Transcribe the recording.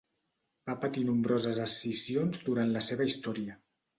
Va patir nombroses escissions durant la seva història.